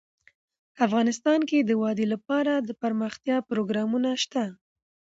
افغانستان کې د وادي لپاره دپرمختیا پروګرامونه شته.